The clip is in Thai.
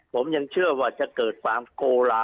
ผมยังเชื่อว่าจะเกิดความโกลา